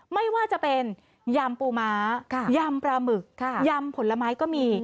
ไม่ว่าจะเป็นยำปูม้ายำปลาหมึกยำผลไม้ก็มี